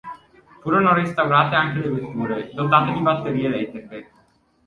Furono restaurate anche le vetture, dotate di batterie elettriche.